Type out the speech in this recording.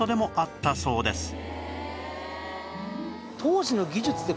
そうですよ。